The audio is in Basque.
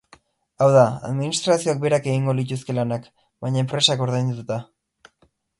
Hau da, administrazioak berak egingo lituzke lanak, baina enpresak ordainduta.